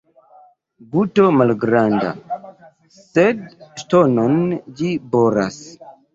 Guto malgranda, sed ŝtonon ĝi boras.